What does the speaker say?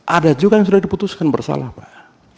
ada juga yang sudah diputuskan bersalah pak